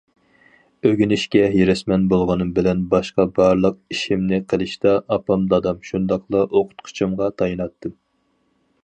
ئۆگىنىشكە ھېرىسمەن بولغىنىم بىلەن باشقا بارلىق ئىشىمنى قىلىشتا ئاپام، دادام، شۇنداقلا ئوقۇتقۇچىمغا تايىناتتىم.